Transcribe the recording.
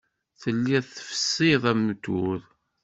Telliḍ tfessiḍ amutur.